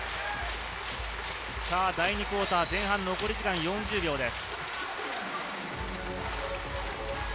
第２クオーター、前半残り時間は４０秒です。